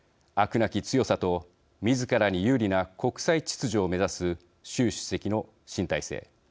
なき強さとみずからに有利な国際秩序を目指す習主席の新体制。